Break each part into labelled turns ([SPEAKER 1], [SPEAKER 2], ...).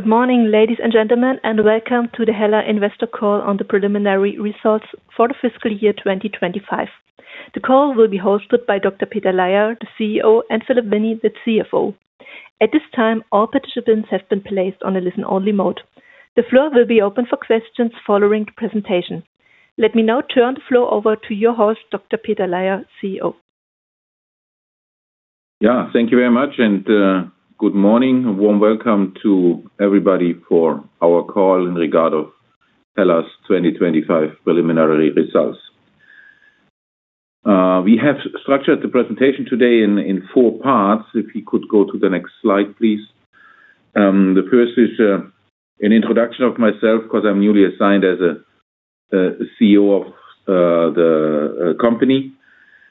[SPEAKER 1] Good morning, ladies and gentlemen, and welcome to the HELLA investor call on the preliminary results for the fiscal year 2025. The call will be hosted by Dr. Peter Laier, the CEO, and Philippe Vienney, the CFO. At this time, all participants have been placed on a listen-only mode. The floor will be open for questions following the presentation. Let me now turn the floor over to your host, Dr. Peter Laier, CEO.
[SPEAKER 2] Yeah, thank you very much. Good morning. A warm welcome to everybody for our call in regard of HELLA's 2025 preliminary results. We have structured the presentation today in four parts. If you could go to the next slide, please. The first is an introduction of myself, 'cause I'm newly assigned as a CEO of the company.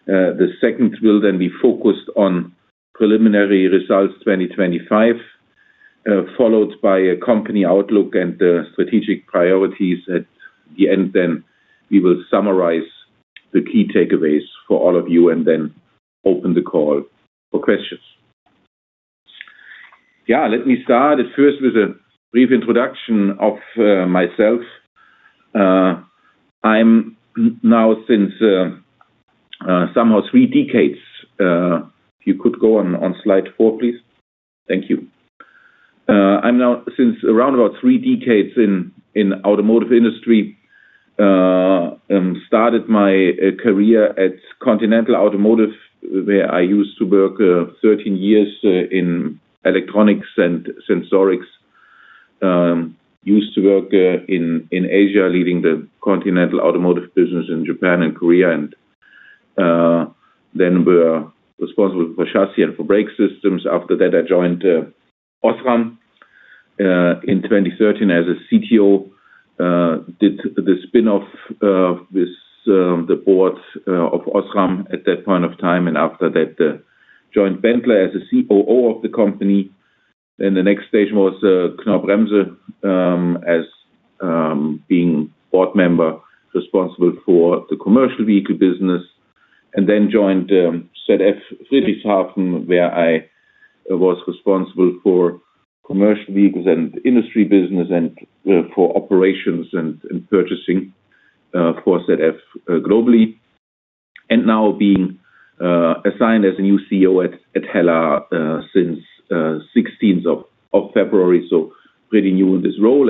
[SPEAKER 2] The second will then be focused on preliminary results 2025, followed by a company outlook and strategic priorities. At the end, then, we will summarize the key takeaways for all of you and then open the call for questions. Yeah, let me start at first with a brief introduction of myself. I'm now since, somehow three decades, if you could go on slide four, please. Thank you. I'm now since around about three decades in, in automotive industry. started my career at Continental Automotive, where I used to work 13 years in electronics and sensorics. used to work in, in Asia, leading the Continental Automotive business in Japan and Korea, then were responsible for chassis and for brake systems. After that, I joined Osram in 2013 as a CTO. did the spin-off with the board of Osram at that point of time, after that, joined Benteler as a COO of the company. The next stage was Knorr-Bremse, as being board member responsible for the commercial vehicle business, and joined ZF Friedrichshafen, where I was responsible for commercial vehicles and industry business and for operations and purchasing for ZF globally. Now being assigned as a new CEO at HELLA since 16th of February, pretty new in this role.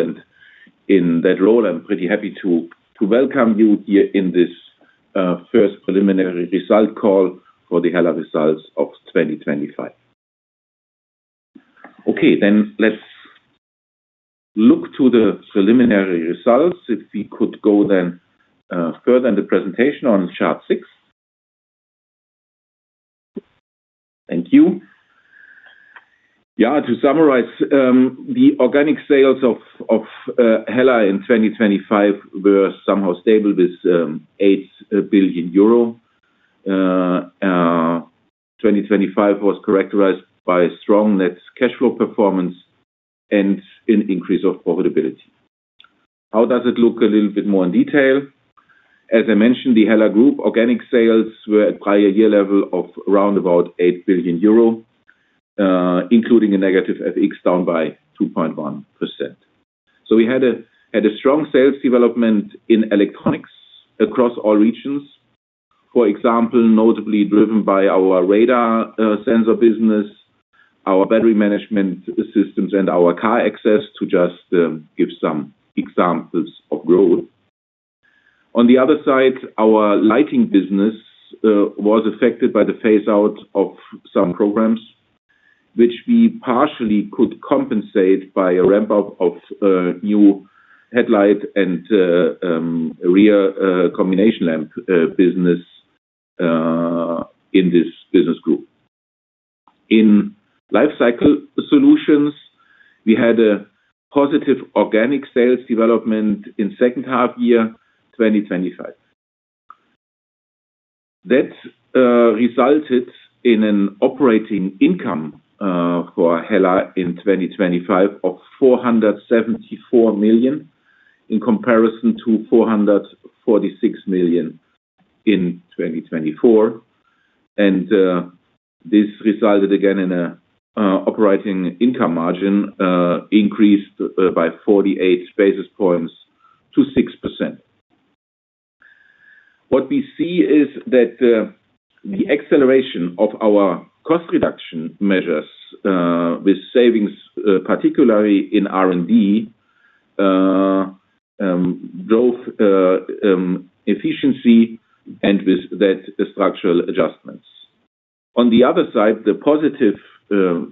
[SPEAKER 2] In that role, I'm pretty happy to welcome you here in this first preliminary result call for the HELLA results of 2025. Let's look to the preliminary results. If we could go further in the presentation on chart six. Thank you. To summarize, the organic sales of HELLA in 2025 were somehow stable with 8 billion euro. 2025 was characterized by strong net cash flow performance and an increase of profitability. How does it look a little bit more in detail? As I mentioned, the HELLA Group organic sales were at prior year level of around about 8 billion euro, including a negative FX, down by 2.1%. We had a strong sales development in electronics across all regions. For example, notably driven by our radar sensor business, our Battery Management Systems, and our car access, to just give some examples of growth. On the other side, our lighting business was affected by the phase out of some programs, which we partially could compensate by a ramp-up of new headlight and rear combination lamp business in this business group. In Lifecycle Solutions, we had a positive organic sales development in second half year, 2025. That resulted in an operating income for HELLA in 2025 of 474 million, in comparison to 446 million in 2024. This resulted again in an operating income margin increased by 48 basis points to 6%. What we see is that the acceleration of our cost reduction measures with savings particularly in R&D drove efficiency and with that, structural adjustments. On the other side, the positive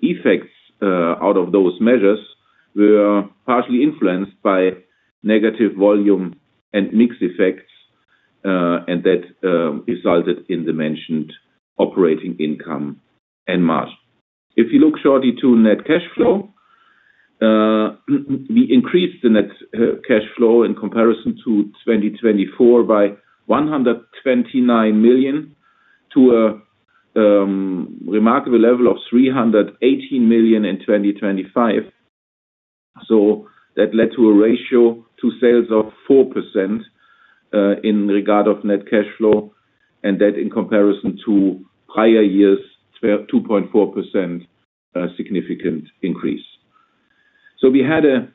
[SPEAKER 2] effects out of those measures were partially influenced by negative volume and mix effects, and that resulted in the mentioned operating income and margin. If you look shortly to net cash flow, we increased the net cash flow in comparison to 2024 by 129 million, to a remarkable level of 318 million in 2025. That led to a ratio to sales of 4%. In regard of net cash flow, and that in comparison to prior years, we have 2.4% significant increase. We had a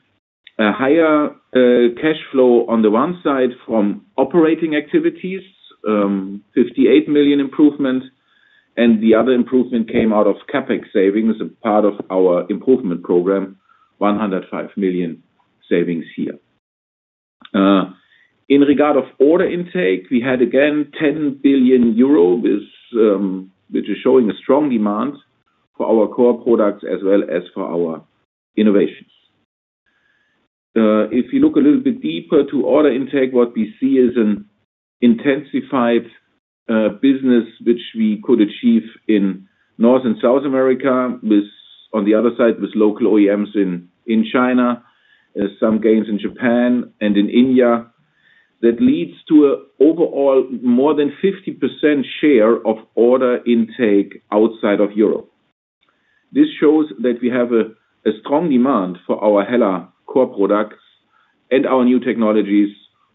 [SPEAKER 2] higher cash flow on the one side from operating activities, 58 million improvement, and the other improvement came out of CapEx savings, a part of our improvement program, 105 million savings here. In regard of order intake, we had again, 10 billion euro, which is showing a strong demand for our core products as well as for our innovations. If you look a little bit deeper to order intake, what we see is an intensified business, which we could achieve in North and South America, with, on the other side, with local OEMs in China, some gains in Japan and in India. That leads to an overall more than 50% share of order intake outside of Europe. This shows that we have a strong demand for our HELLA core products and our new technologies,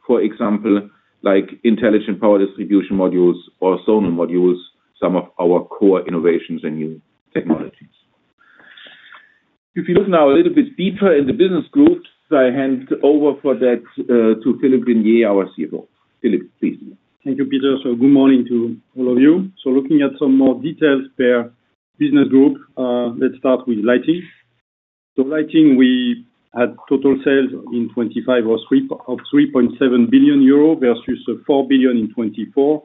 [SPEAKER 2] for example, like intelligent Power Distribution Modules or sonar modules, some of our core innovations and new technologies. If you look now a little bit deeper in the business groups, I hand over for that to Philippe Vienney, our CFO. Philippe, please.
[SPEAKER 3] Thank you, Peter. Looking at some more details per business group, let's start with Lighting. Lighting, we had total sales in 2025 was of 3.7 billion euro versus 4 billion in 2024,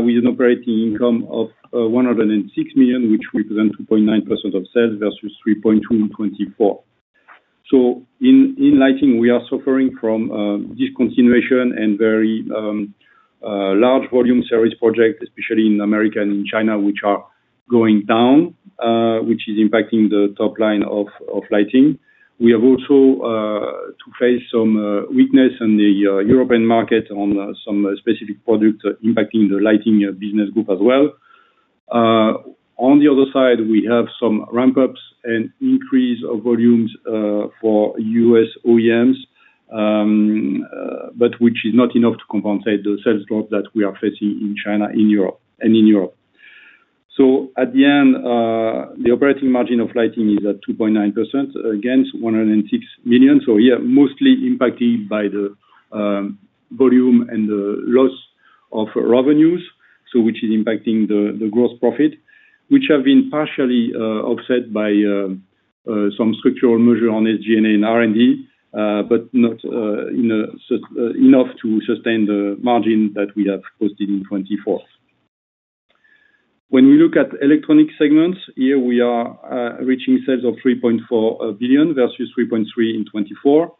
[SPEAKER 3] with an operating income of 106 million, which represent 2.9% of sales versus 3.2% in 2024. In Lighting, we are suffering from discontinuation and very large volume series project, especially in America and in China, which are going down, which is impacting the top line of Lighting. We have also to face some weakness in the European market on some specific products impacting the lighting business group as well. On the other side, we have some ramp-ups and increase of volumes for U.S. OEMs, which is not enough to compensate the sales drop that we are facing in China, in Europe, and in Europe. At the end, the operating margin of Lighting is at 2.9%, against 106 million. Mostly impacted by the volume and the loss of revenues, which is impacting the gross profit, which have been partially offset by some structural measure on SG&A and R&D, not enough to sustain the margin that we have posted in 2024. When we look at Electronic segments, here we are reaching sales of 3.4 billion versus 3.3 billion in 2024.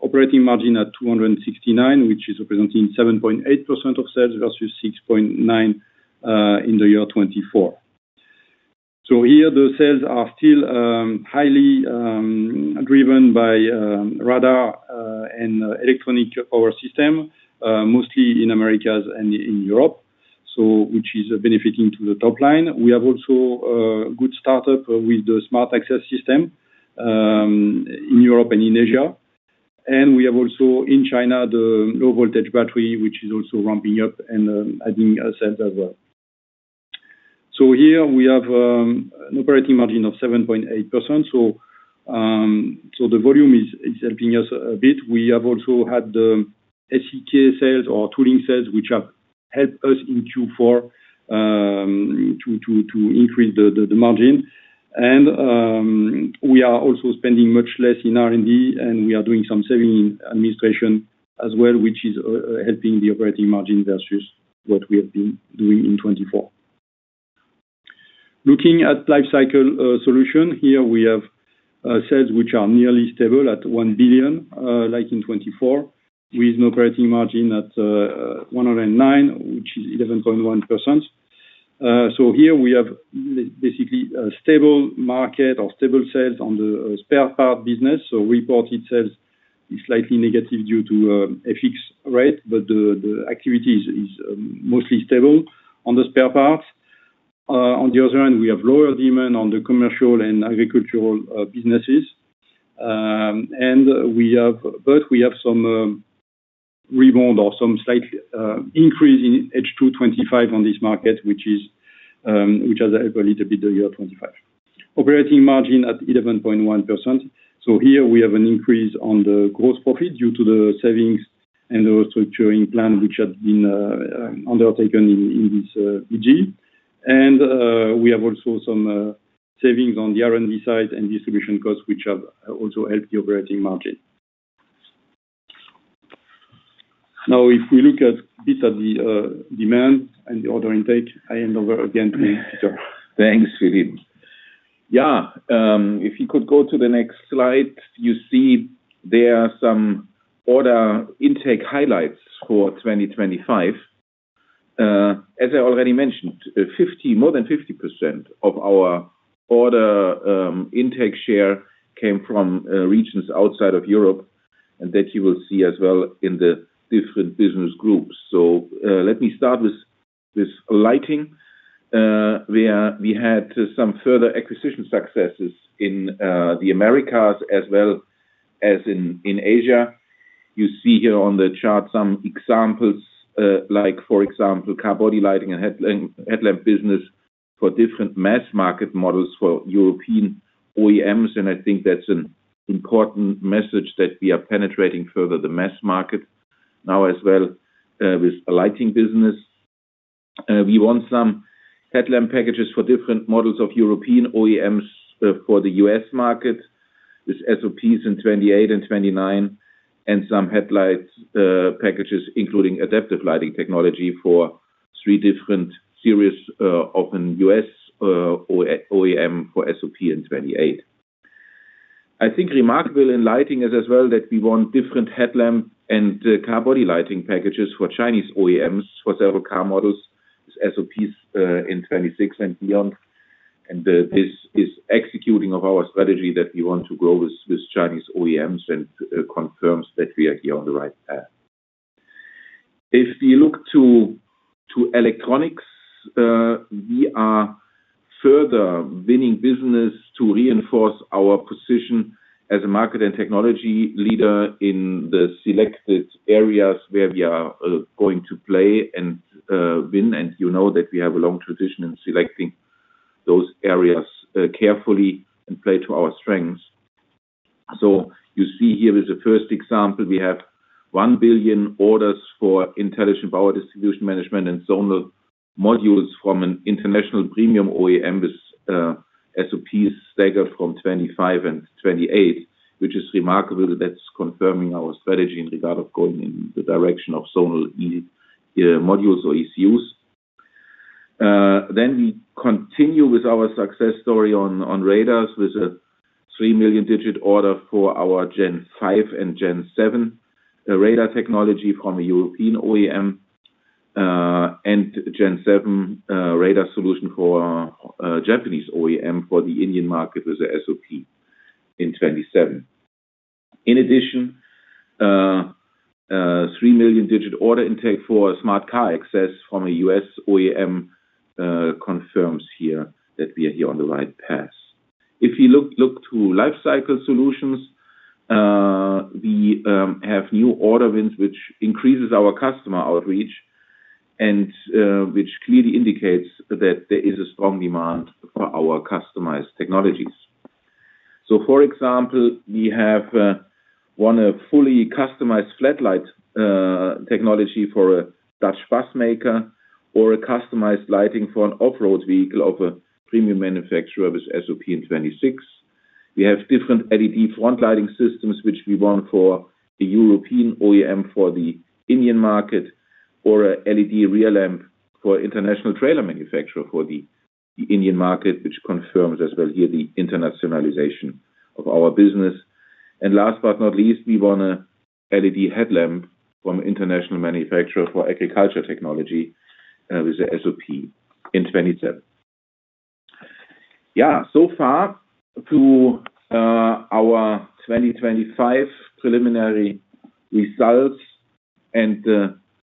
[SPEAKER 3] Operating margin at 269 million, which is representing 7.8% of sales, versus 6.9% in the year 2024. Here, the sales are still highly driven by radar and Electronic Power Steering, mostly in Americas and in Europe, so which is benefiting to the top line. We have also a good startup with the smart access system, in Europe and in Asia. We have also in China, the low-voltage battery, which is also ramping up and adding assets as well. Here we have an operating margin of 7.8%. The volume is helping us a bit. We have also had the SEK sales or tooling sales, which have helped us in Q4 to increase the margin. We are also spending much less in R&D, and we are doing some saving in administration as well, which is helping the operating margin versus what we have been doing in 2024. Looking at Lifecycle Solutions, here we have sales which are nearly stable at 1 billion, like in 2024, with an operating margin at 109 million, which is 11.1%. Here we have basically a stable market or stable sales on the spare part business. Reported sales is slightly negative due to FX, but the activity is mostly stable on the spare parts. On the other hand, we have lower demand on the commercial and agricultural businesses. But we have some rebound or some slight increase in H2 2025 on this market, which is which has helped a little bit the year 2025. Operating margin at 11.1%. Here we have an increase on the gross profit due to the savings and the restructuring plan, which has been undertaken in, in this DG. We have also some savings on the R&D side and distribution costs, which have also helped the operating margin. Now, if we look at bit at the demand and the order intake, I hand over again to you, Peter.
[SPEAKER 2] Thanks, Philippe. Yeah, if you could go to the next slide, you see there are some order intake highlights for 2025. As I already mentioned, more than 50% of our order intake share came from regions outside of Europe, and that you will see as well in the different business groups. Let me start with Lighting. We had some further acquisition successes in the Americas as well as in Asia. You see here on the chart some examples, like, for example, car body lighting and headlamp business for different mass market models for European OEMs. I think that's an important message, that we are penetrating further the mass market now as well with the lighting business. We want some headlamp packages for different models of European OEMs, for the U.S. market, with SOPs in 2028 and 2029, and some headlights, packages, including adaptive lighting technology for three different series, of an U.S. OEM for SOP in 2028. I think remarkable in Lighting is as well, that we want different headlamp and car body lighting packages for Chinese OEMs, for several car models, with SOPs in 2026 and beyond. This is executing of our strategy that we want to grow with, with Chinese OEMs and confirms that we are here on the right path. If you look to, to Electronics, we are further winning business to reinforce our position as a market and technology leader in the selected areas where we are going to play and win. You know that we have a long tradition in selecting those areas, carefully and play to our strengths. You see here as a first example, we have 1 billion orders for intelligent power distribution management and zonal modules from an international premium OEM, with SOPs staggered from 2025 and 2028, which is remarkable. That's confirming our strategy in regard of going in the direction of zonal modules or ECUs. We continue with our success story on, on radars, with a 3 million-digit order for our Gen 5 and Gen 7 radar technology from a European OEM. Gen 7 radar solution for a Japanese OEM for the India market, with a SOP in 2027. In addition, a 3 million-digit order intake for smart car access from a U.S. OEM confirms here that we are here on the right path. If you look, look to Lifecycle Solutions, we have new order wins, which increases our customer outreach, and which clearly indicates that there is a strong demand for our customized technologies. For example, we have won a fully customized FlatLight technology for a Dutch bus maker, or a customized lighting for an off-road vehicle of a premium manufacturer with SOP in 2026. We have different LED front lighting systems, which we won for a European OEM for the Indian market, or a LED rear lamp for international trailer manufacturer for the Indian market, which confirms as well here, the internationalization of our business. Last but not least, we won a LED headlamp from an international manufacturer for agriculture technology, with a SOP in 2027. Yeah, so far to our 2025 preliminary results and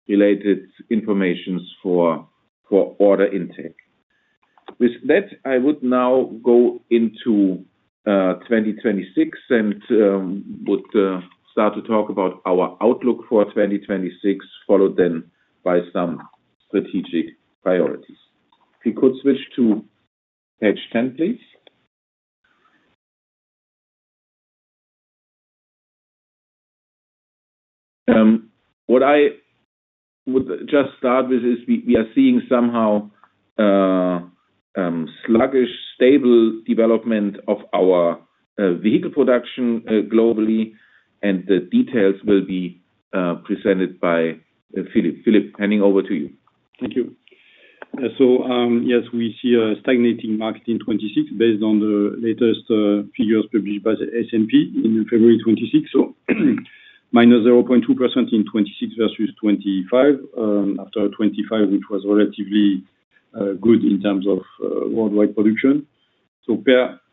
[SPEAKER 2] related informations for, for order intake. I would now go into 2026 and would start to talk about our outlook for 2026, followed then by some strategic priorities. If you could switch to page 10, please. What I would just start with is we, we are seeing somehow sluggish, stable development of our vehicle production globally, and the details will be presented by Philippe. Philippe, handing over to you.
[SPEAKER 3] Thank you. Yes, we see a stagnating market in 2026, based on the latest figures published by the S&P in February 2026. -0.2% in 2026 versus 2025, after 2025, which was relatively good in terms of worldwide production.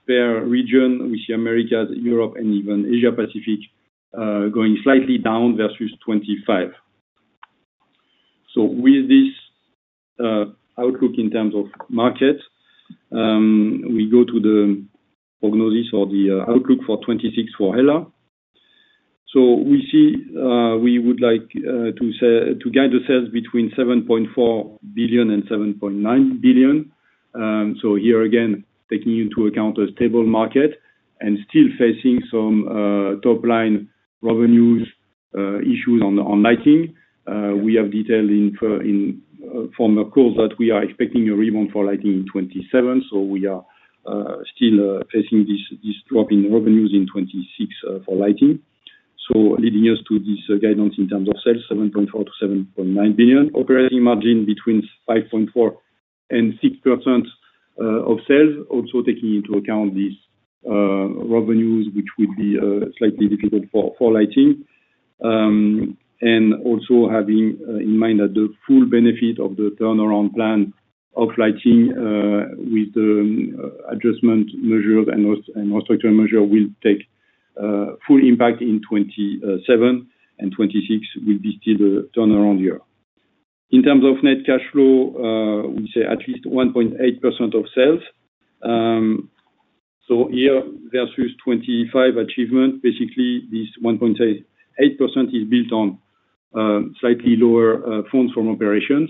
[SPEAKER 3] Per region, we see Americas, Europe, and even Asia-Pacific going slightly down versus 2025. With this outlook in terms of market, we go to the prognosis or the outlook for 2026 for HELLA. We see we would like to say, to guide the sales between 7.4 billion and 7.9 billion. Here again, taking into account a stable market and still facing some top-line revenues issues on Lighting. We have detailed in from the call that we are expecting a rebound for Lighting in 2027, so we are still facing this drop in revenues in 2026 for Lighting. Leading us to this guidance in terms of sales, 7.4 billion-7.9 billion. Operating margin between 5.4% and 6% of sales. Also, taking into account these revenues, which will be slightly difficult for Lighting. And also having in mind that the full benefit of the turnaround plan of Lighting, with the adjustment measures and structural measure will take full impact in 2027, and 2026 will be still the turnaround year. In terms of net cash flow, we say at least 1.8% of sales. Here versus 2025 achievement, basically, this 1.88% is built on slightly lower funds from operations.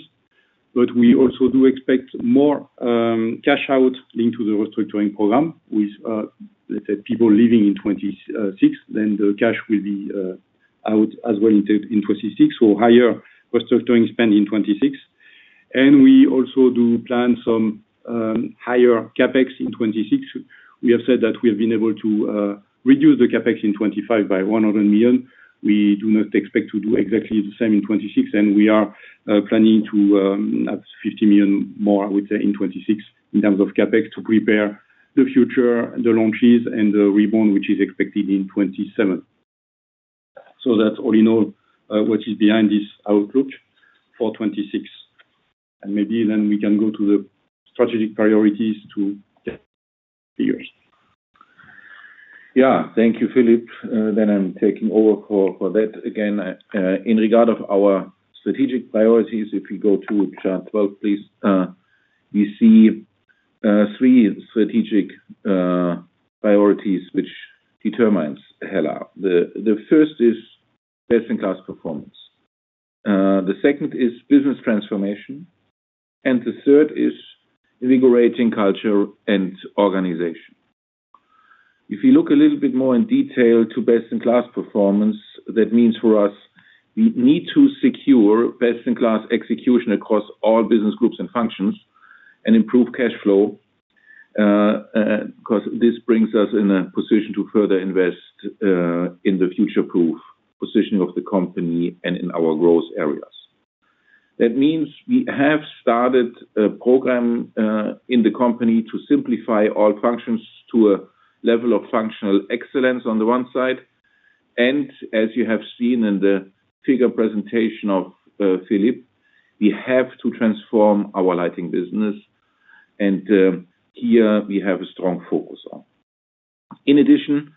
[SPEAKER 3] We also do expect more cash out linked to the restructuring program with, let's say, people leaving in 2026, then the cash will be out as well in 2026, higher restructuring spend in 2026. We also do plan some higher CapEx in 2026. We have said that we have been able to reduce the CapEx in 2025 by 100 million. We do not expect to do exactly the same in 2026, we are planning to add 50 million more, I would say, in 2026, in terms of CapEx, to prepare the future, the launches and the rebound, which is expected in 2027. That's all you know, what is behind this outlook for 2026. Maybe then we can go to the strategic priorities to the years.
[SPEAKER 2] Yeah. Thank you, Philippe. Then I'm taking over for, for that again. In regard of our strategic priorities, if you go to chart 12, please, you see, three strategic priorities which determines HELLA. The first is Best in Class Performance, the second is Business Transformation, and the third is Invigorating Culture & Organization. If you look a little bit more in detail to Best in Class Performance, that means for us, we need to secure best-in-class execution across all business groups and functions and improve cash flow, 'cause this brings us in a position to further invest in the future-proof positioning of the company and in our growth areas. That means we have started a program in the company to simplify all functions to a level of functional excellence on the one side, and as you have seen in the figure presentation of Philippe, we have to transform our lighting business, and here we have a strong focus on. In addition,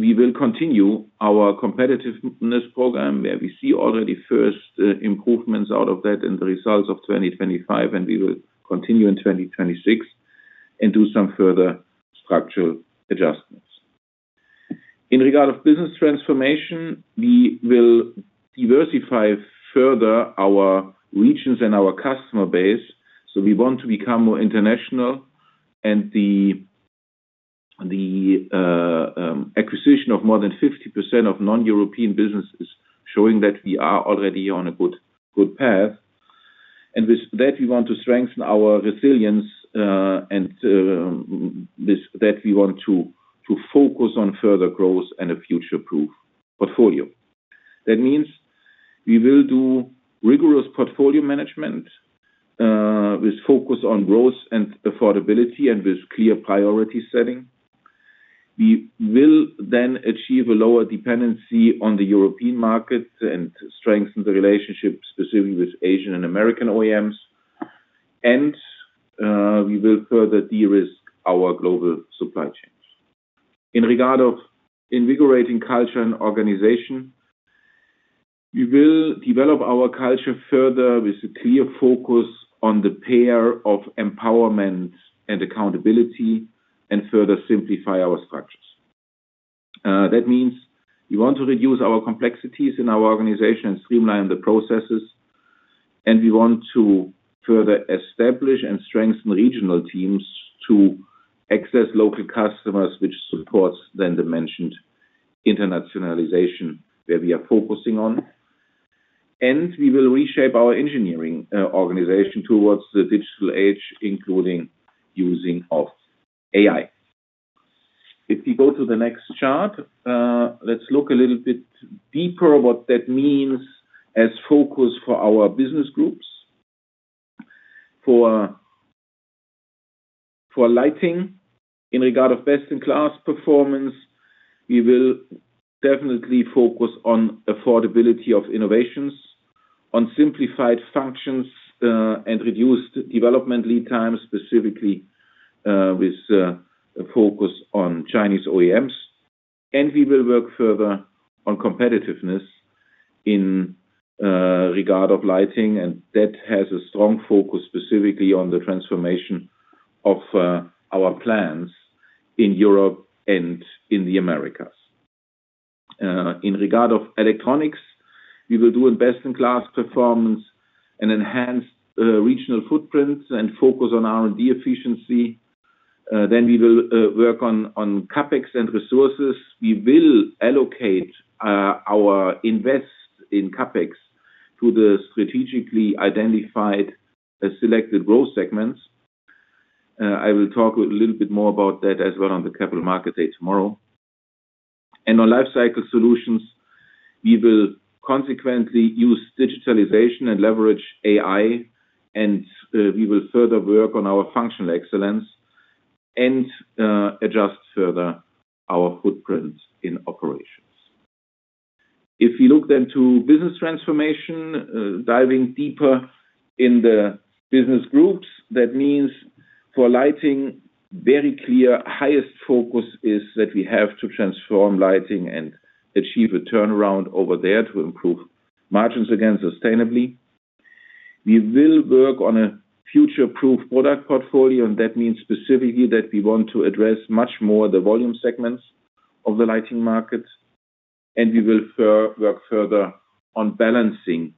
[SPEAKER 2] we will continue our competitiveness program, where we see already first improvements out of that in the results of 2025, and we will continue in 2026 and do some further structural adjustments. In regard of Business Transformation, we will diversify further our regions and our customer base, so we want to become more international, and the acquisition of more than 50% of non-European businesses, showing that we are already on a good, good path. With that, we want to strengthen our resilience and with that, we want to focus on further growth and a future-proof portfolio. That means we will do rigorous portfolio management with focus on growth and affordability and with clear priority setting. We will achieve a lower dependency on the European market and strengthen the relationship, specifically with Asian and American OEMs, we will further de-risk our global supply chains. In regard of Invigorating Culture & Organization, we will develop our culture further with a clear focus on the pair of empowerment and accountability, and further simplify our structures. That means we want to reduce our complexities in our organization and streamline the processes, we want to further establish and strengthen regional teams to access local customers, which supports then the mentioned internationalization, where we are focusing on. We will reshape our engineering organization towards the digital age, including using of AI. If you go to the next chart, let's look a little bit deeper what that means as focus for our business groups. For Lighting, in regard of Best in Class Performance, we will definitely focus on affordability of innovations, on simplified functions, and reduced development lead times, specifically with a focus on Chinese OEMs. We will work further on competitiveness in regard of Lighting, and that has a strong focus specifically on the transformation of our plans in Europe and in the Americas. In regard of Electronics, we will do a Best in Class Performance and enhance regional footprints and focus on R&D efficiency. Then we will work on CapEx and resources. We will allocate our invest in CapEx to the strategically identified selected growth segments. I will talk a little bit more about that as well on the Capital Markets Day tomorrow. On Lifecycle Solutions, we will consequently use digitalization and leverage AI, and we will further work on our functional excellence and adjust further our footprints in operations. If you look then to Business Transformation, diving deeper in the business groups, that means for Lighting, very clear, highest focus is that we have to transform Lighting and achieve a turnaround over there to improve margins again sustainably. We will work on a future-proof product portfolio. That means specifically that we want to address much more the volume segments of the lighting market. We will work further on balancing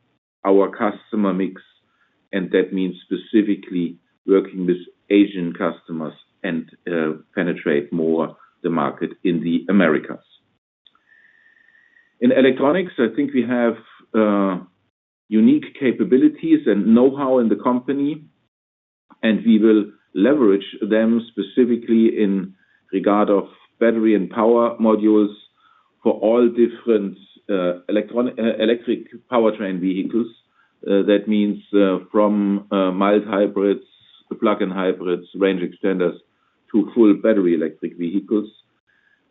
[SPEAKER 2] our customer mix. That means specifically working with Asian customers and penetrate more the market in the Americas. In Electronics, I think we have unique capabilities and know-how in the company. We will leverage them specifically in regard of battery and power modules for all different electronic electric powertrain vehicles. That means from mild hybrids to plug-in hybrids, range extenders, to full battery electric vehicles,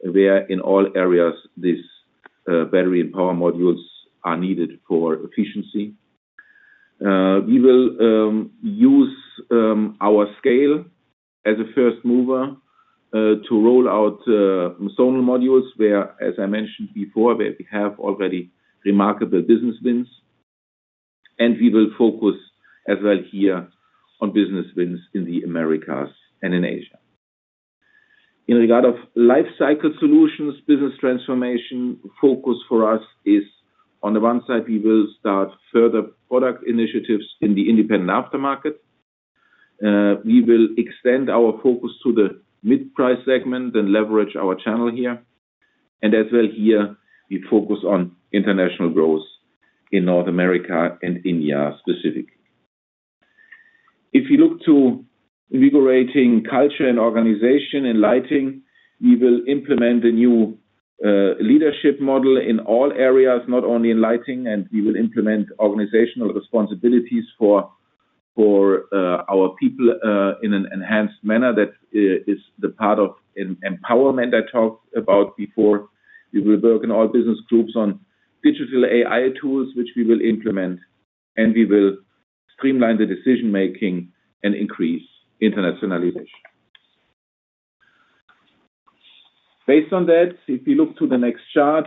[SPEAKER 2] where in all areas, this battery and power modules are needed for efficiency. We will use our scale as a first mover to roll out modules, where, as I mentioned before, where we have already remarkable business wins, and we will focus as well here on business wins in the Americas and in Asia. In regard of Lifecycle Solutions, Business Transformation, focus for us is, on the one side, we will start further product initiatives in the independent aftermarket. We will extend our focus to the mid-price segment and leverage our channel here, and as well here, we focus on international growth in North America and India, specific. If you look to Invigorating Culture & Organization in Lighting, we will implement a new leadership model in all areas, not only in Lighting, and we will implement organizational responsibilities for, for our people in an enhanced manner. That is the part of empowerment I talked about before. We will work in all business groups on digital AI tools, which we will implement, and we will streamline the decision-making and increase internationalization. Based on that, if you look to the next chart,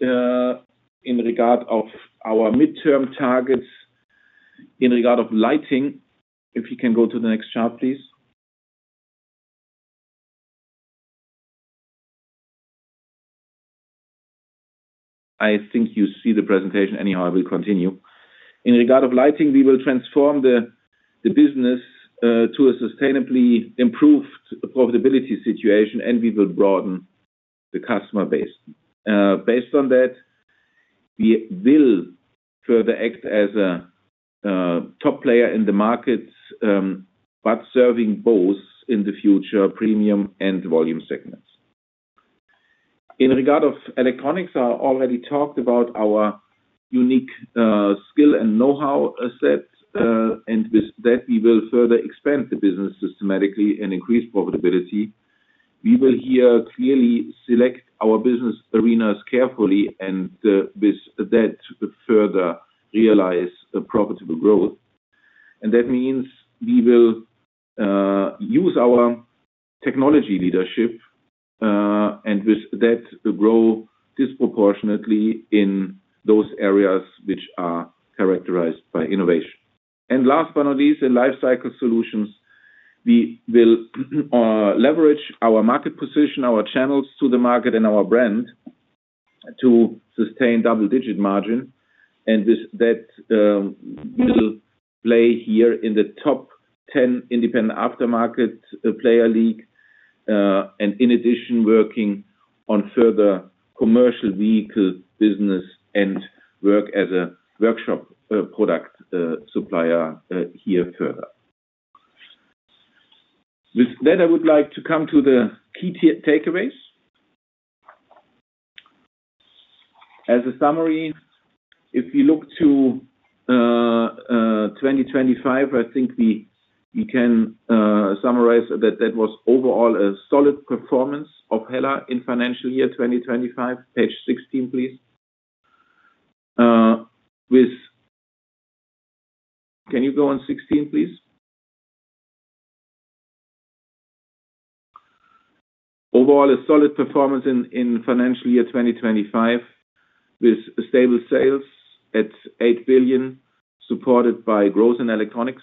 [SPEAKER 2] in regard of our midterm targets, in regard of Lighting, if you can go to the next chart, please. I think you see the presentation, anyhow, I will continue. In regard of Lighting, we will transform the business to a sustainably improved profitability situation, and we will broaden the customer base. Based on that, we will further act as a top player in the market, but serving both in the future, premium and volume segments. In regard of Electronics, I already talked about our unique skill and know-how assets, and with that, we will further expand the business systematically and increase profitability. We will here clearly select our business arenas carefully and, with that, further realize a profitable growth. That means we will use our technology leadership, and with that, grow disproportionately in those areas which are characterized by innovation. Last but not least, in Lifecycle Solutions, we will leverage our market position, our channels to the market, and our brand, to sustain double-digit margin, and with that, we will play here in the top 10 independent aftermarket player league, and in addition, working on further commercial vehicle business and work as a workshop product supplier here further. With that, I would like to come to the key takeaways. As a summary, if you look to 2025, I think we can summarize that that was overall a solid performance of HELLA in financial year 2025. Page 16, please. Can you go on 16, please? Overall, a solid performance in financial year 2025, with stable sales at 8 billion, supported by growth in Electronics.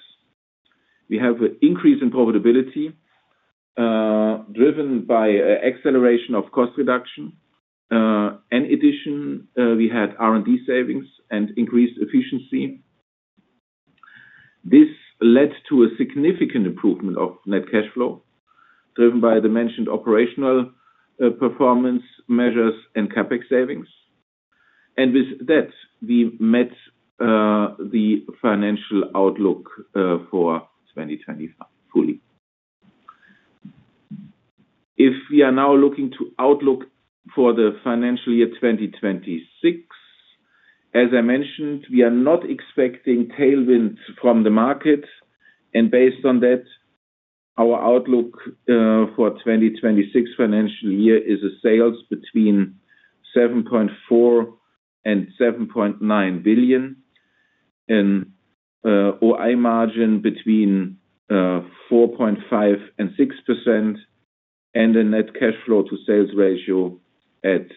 [SPEAKER 2] We have an increase in profitability, driven by acceleration of cost reduction. In addition, we had R&D savings and increased efficiency. This led to a significant improvement of net cash flow, driven by the mentioned operational performance measures and CapEx savings. With that, we met the financial outlook for 2025 fully. If we are now looking to outlook for the financial year 2026, as I mentioned, we are not expecting tailwinds from the market, and based on that. Our outlook for 2026 financial year is a sales between EUR 7.4 billion-EUR 7.9 billion, and OI margin between 4.5%-6%, and a net cash flow to sales ratio at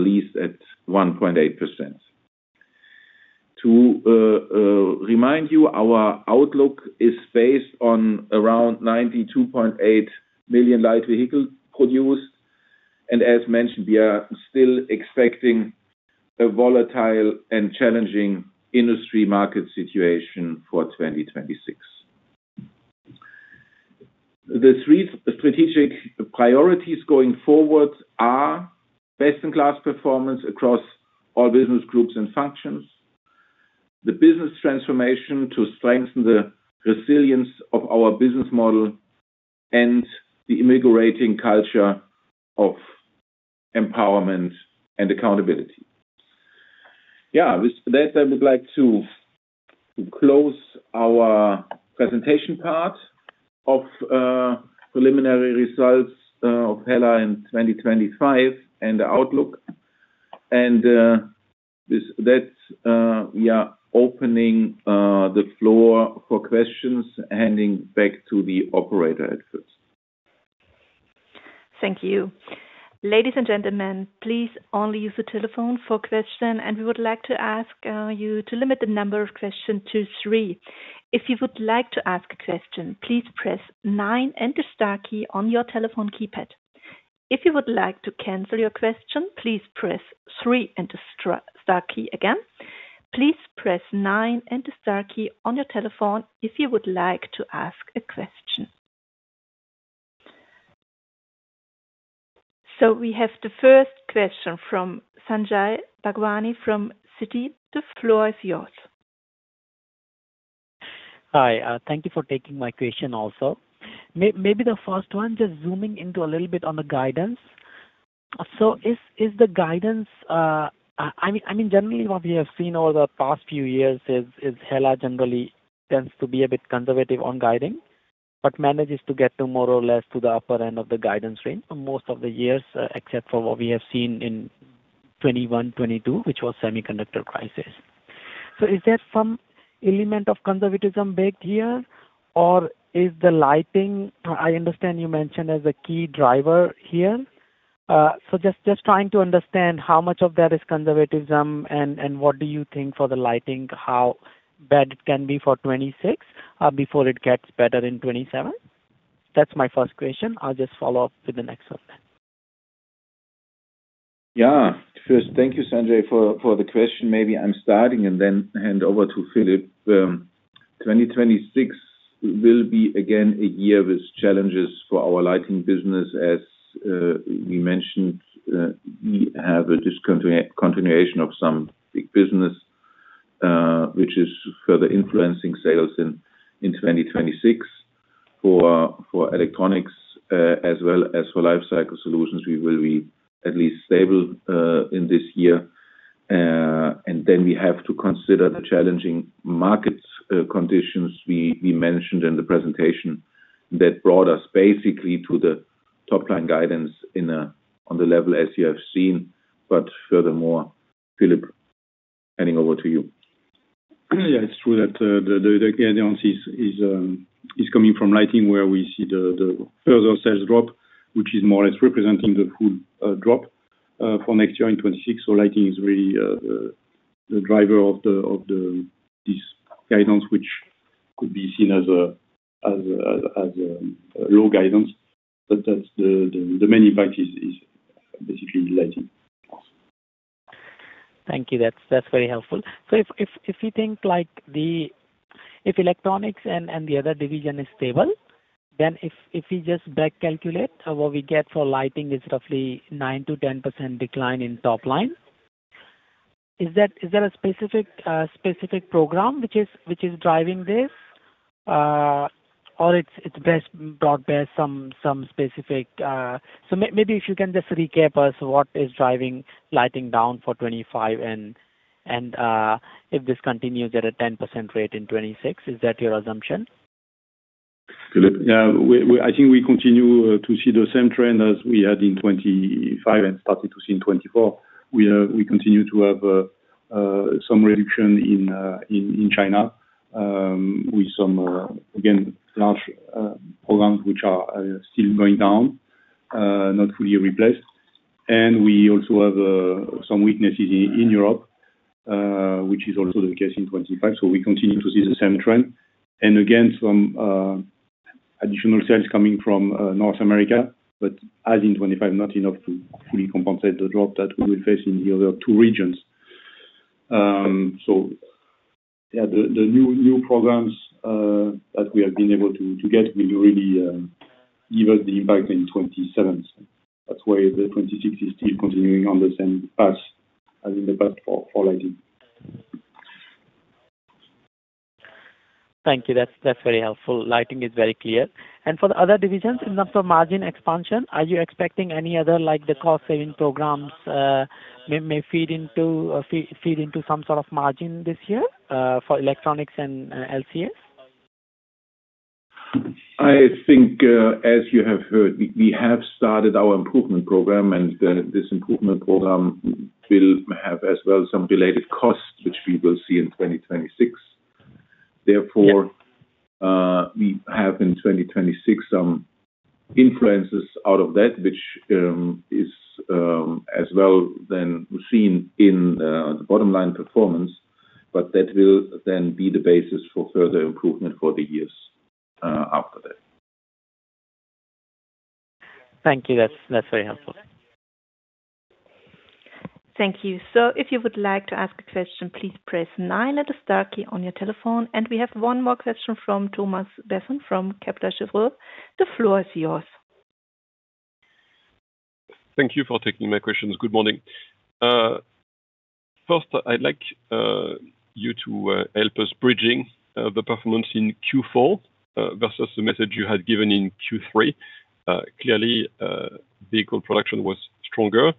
[SPEAKER 2] least at 1.8%. To remind you, our outlook is based on around 92.8 million light vehicle produced. As mentioned, we are still expecting a volatile and challenging industry market situation for 2026. The three strategic priorities going forward are Best in Class Performance across all business groups and functions, the Business Transformation to strengthen the resilience of our business model, and the Invigorating Culture of empowerment and accountability. Yeah, with that, I would like to close our presentation part of preliminary results of HELLA in 2025 and the outlook. With that, we are opening the floor for questions, handing back to the operator at first.
[SPEAKER 1] Thank you. Ladies and gentlemen, please only use the telephone for question, and we would like to ask, you to limit the number of question to three. If you would like to ask a question, please press nine and the star key on your telephone keypad. If you would like to cancel your question, please press three and the star key again. Please press nine and the star key on your telephone if you would like to ask a question. We have the first question from Sanjay Bhagwani, from Citi. The floor is yours.
[SPEAKER 4] Hi, thank you for taking my question also. Maybe the first one, just zooming into a little bit on the guidance. So is, is the guidance, I mean, I mean, generally, what we have seen over the past few years is, is HELLA generally tends to be a bit conservative on guiding, but manages to get to more or less to the upper end of the guidance range for most of the years, except for what we have seen in 2021, 2022, which was semiconductor crisis. So is there some element of conservatism baked here, or is the Lighting, I understand you mentioned as a key driver here. Just trying to understand how much of that is conservatism, and what do you think for the lighting, how bad it can be for 2026 before it gets better in 2027? That's my first question. I'll just follow up with the next one then.
[SPEAKER 2] Yeah. First, thank you, Sanjay, for the question. Maybe I'm starting and then hand over to Philippe. 2026 will be, again, a year with challenges for our lighting business. As we mentioned, we have a continuation of some big business, which is further influencing sales in 2026. For Electronics, as well as for Lifecycle Solutions, we will be at least stable in this year. Then we have to consider the challenging markets conditions we mentioned in the presentation that brought us basically to the top line guidance on the level as you have seen. Furthermore, Philippe, handing over to you.
[SPEAKER 3] Yeah, it's true that, the, the guidance is, is, is coming from Lighting, where we see the, the further sales drop, which is more or less representing the full, drop, for next year in 2026. Lighting is really, the, the driver of the, of the, this guidance, which could be seen as a, as a, as a, a low guidance, but that's the, the, the main impact is, is basically lighting.
[SPEAKER 4] Thank you. That's, that's very helpful. If, if, if you think, like, if Electronics and, and the other division is stable, then if, if you just back calculate, what we get for Lighting is roughly 9%-10% decline in top line. Is that? Is there a specific program which is driving this? Or it's, it's best brought by some, some specific. Maybe if you can just recap us, what is driving Lighting down for 2025, and, and, if this continues at a 10% rate in 2026, is that your assumption?
[SPEAKER 3] Yeah. We, we, I think we continue to see the same trend as we had in 2025 and started to see in 2024. We, we continue to have some reduction in in China, with some again, large programs, which are still going down, not fully replaced. We also have some weaknesses in in Europe, which is also the case in 2025. We continue to see the same trend. Again, some additional sales coming from North America, but as in 2025, not enough to fully compensate the drop that we will face in the other two regions. Yeah, the the new, new programs that we have been able to to get will really give us the impact in 2027. That's why the 2026 is still continuing on the same path as in the past for, for Lighting.
[SPEAKER 4] Thank you. That's, that's very helpful. Lighting is very clear. For the other divisions, in terms of margin expansion, are you expecting any other, like, the cost-saving programs, may, may feed into, feed, feed into some sort of margin this year, for Electronics and LCS?
[SPEAKER 2] I think, as you have heard, we have started our improvement program, and, this improvement program will have as well some related costs, which we will see in 2026. Therefore. we have in 2026 some influences out of that, which is as well then seen in the bottom line performance, but that will then be the basis for further improvement for the years after that.
[SPEAKER 4] Thank you. That's very helpful.
[SPEAKER 1] Thank you. If you would like to ask a question, please press nine and the star key on your telephone. We have one more question from Thomas Besson from Kepler Cheuvreux. The floor is yours.
[SPEAKER 5] Thank you for taking my questions. Good morning. First, I'd like you to help us bridging the performance in Q4 versus the message you had given in Q3. Clearly, vehicle production was stronger,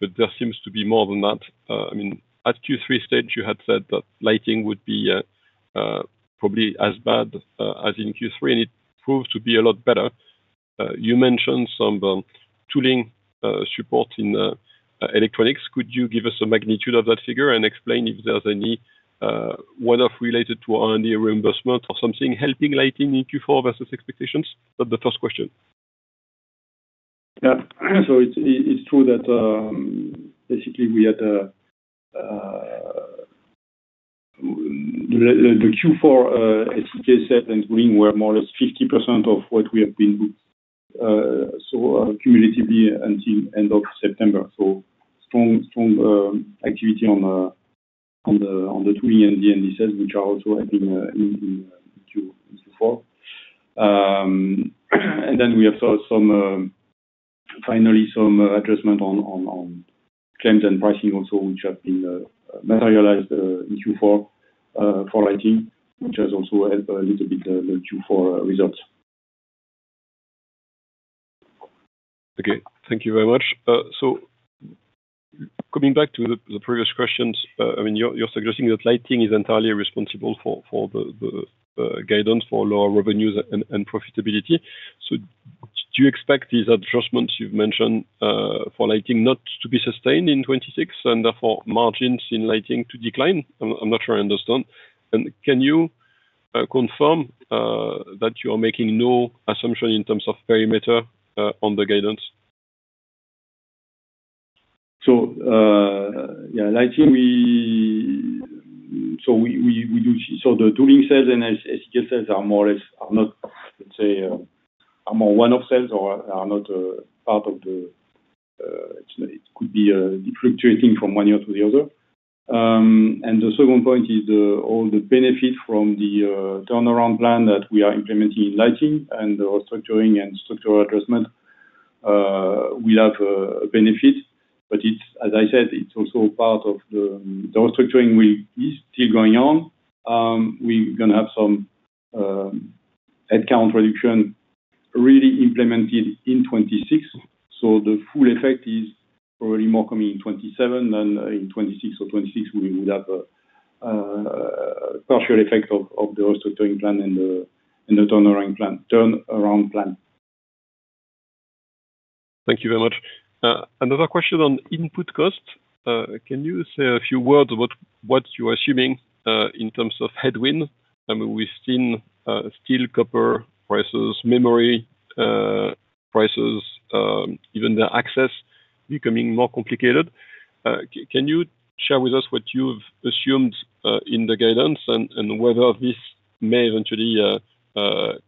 [SPEAKER 5] but there seems to be more than that. I mean, at Q3 stage, you had said that Lighting would be probably as bad as in Q3, and it proved to be a lot better. You mentioned some tooling support in Electronics. Could you give us a magnitude of that figure and explain if there's any one-off related to R&D reimbursement or something helping Lighting in Q4 versus expectations? That's the first question.
[SPEAKER 3] Yeah. It's, it's true that, basically, we had a, the, the Q4, SEK set and green were more or less 50% of what we have been, cumulatively until end of September. Strong, strong activity on the, on the, on the tooling and the end sets, which are also have been in Q4. We have saw some, finally, some adjustment on, on, on claims and pricing also, which have been materialized in Q4, for IT, which has also helped a little bit, the Q4 results.
[SPEAKER 5] Okay. Thank you very much. Coming back to the previous questions, I mean, you're suggesting that Lighting is entirely responsible for the guidance for lower revenues and profitability. Do you expect these adjustments you've mentioned for Lighting not to be sustained in 2026 and, therefore, margins in Lighting to decline? I'm not sure I understand. Can you confirm that you are making no assumption in terms of perimeter on the guidance?
[SPEAKER 3] Yeah, Lighting we, we, we do. The tooling sets and SEK sets are more or less, are not, let's say, are more one-off sales or are not a part of the, it could be fluctuating from one year to the other. The second point is the, all the benefit from the turnaround plan that we are implementing in Lighting and the restructuring and structural adjustment will have a benefit. It's, as I said, it's also part of the. The restructuring is still going on. We're gonna have some head count reduction really implemented in 2026. The full effect is probably more coming in 2027 than in 2026. 2026, we would have a partial effect of, of the restructuring plan and the, and the turnaround plan, turnaround plan.
[SPEAKER 5] Thank you very much. Another question on input costs. Can you say a few words about what you are assuming in terms of headwind? I mean, we've seen steel, copper prices, memory prices, even the access becoming more complicated. Can you share with us what you've assumed in the guidance and whether this may eventually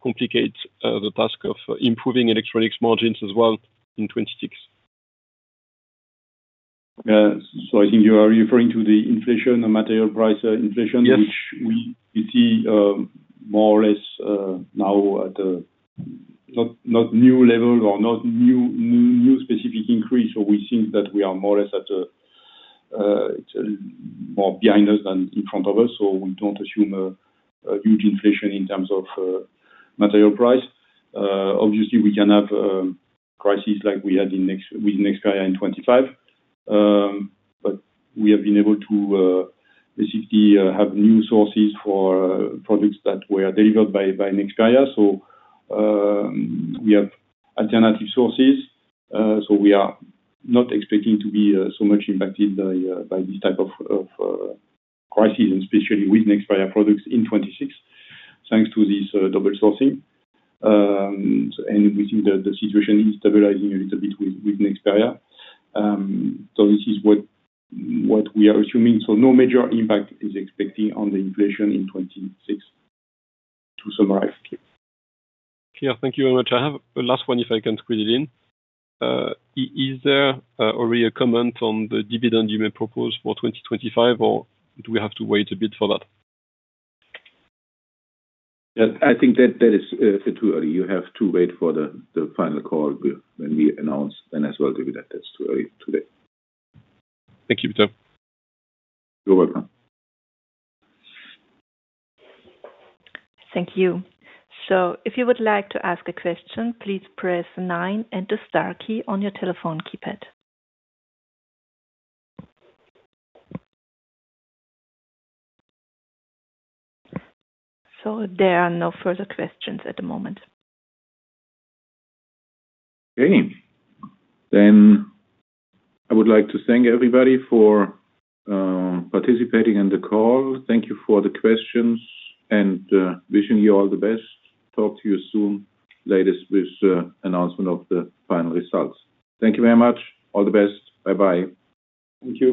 [SPEAKER 5] complicate the task of improving Electronics margins as well in 2026?
[SPEAKER 3] Yeah. I think you are referring to the inflation, the material price inflation.
[SPEAKER 5] Yes.
[SPEAKER 3] Which we, we see, more or less, now at a not, not new level or not new, new specific increase, so we think that we are more or less at a, it's more behind us than in front of us, so we don't assume a huge inflation in terms of material price. Obviously, we can have crisis like we had with Nexperia in 2025. We have been able to basically have new sources for products that were delivered by Nexperia. We have alternative sources, so we are not expecting to be so much impacted by this type of crisis, and especially with Nexperia products in 2026, thanks to this dual sourcing. We think that the situation is stabilizing a little bit with Nexperia. This is what, what we are assuming. No major impact is expecting on the inflation in 2026, to summarize.
[SPEAKER 5] Clear. Thank you very much. I have a last one, if I can squeeze it in. Is there already a comment on the dividend you may propose for 2025, or do we have to wait a bit for that?
[SPEAKER 2] Yeah, I think that that is too early. You have to wait for the, the final call when we announce then as well dividend. That's too early today.
[SPEAKER 5] Thank you, Peter.
[SPEAKER 2] You're welcome.
[SPEAKER 1] Thank you. If you would like to ask a question, please press nine and the star key on your telephone keypad. There are no further questions at the moment.
[SPEAKER 2] Okay. I would like to thank everybody for participating in the call. Thank you for the questions, and wishing you all the best. Talk to you soon, latest with announcement of the final results. Thank you very much. All the best. Bye-bye.
[SPEAKER 3] Thank you.